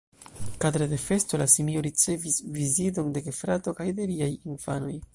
Kadre de festo, la simio ricevis viziton de gefrato kaj de riaj infanoj.